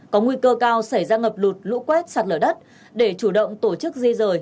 có nguy cơ cao xảy ra ngập lụt lũ quét sạt lở đất để chủ động tổ chức di rời